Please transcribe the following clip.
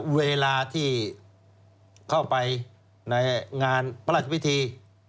เวลาที่เข้าไปในงานประหลักภิษฐี